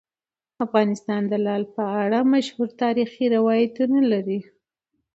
افغانستان د لعل په اړه مشهور تاریخی روایتونه لري.